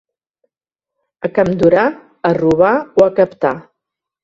A Campdorà, a robar o a captar.